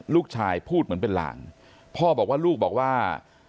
ลูกชายพูดเหมือนเป็นลางพ่อบอกว่าลูกบอกว่า